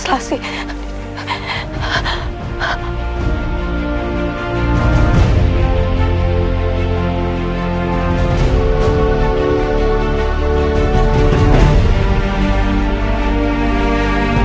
suara menyehir balik kelaku